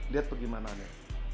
lihat bagaimana ya